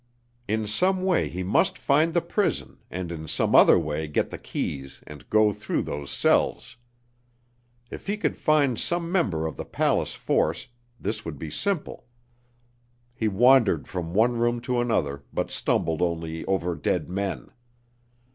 In some way he must find the prison and in some other way get the keys and go through those cells. If he could find some member of the palace force, this would be simple. He wandered from one room to another but stumbled only over dead men.